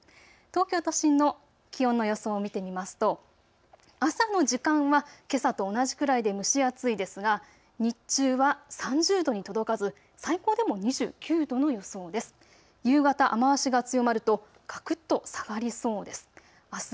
東京都心の気温の予想を見てみますと、朝の時間はけさと同じくらいで蒸し暑いですが、日中は３０度に届かず最高でも２９度の予想です。